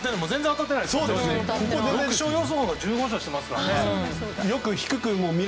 ６勝予想で１５勝してますからね。